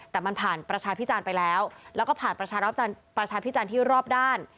แต่มันผ่านประชาพิจารณ์ไปแล้วแล้วก็ผ่านประชาพิจารณ์ที่รอบด้าน